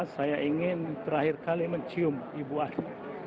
saya ingin terakhir kali mencium ibu aki